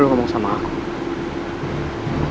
aku ngerti kamu gak bisa berbohong sama aku